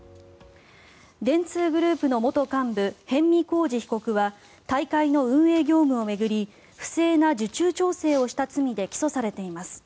電通グループの元幹部逸見晃治被告は大会の運営業務を巡り不正な受注調整をした罪で起訴されています。